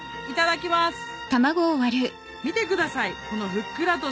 いただきます。